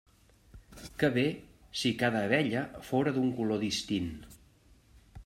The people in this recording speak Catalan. Que bé si cada abella fóra d'un color distint!